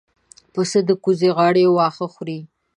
پسه د کوزې غاړې واښه خوري.